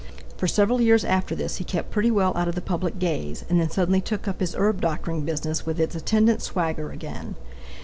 For several years after this he kept pretty well out of the public gaze, and then suddenly took up his herb doctoring business with its attendant swagger again.